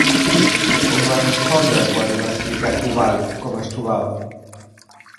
Com va respondre quan li va explicar Tubal com es trobava?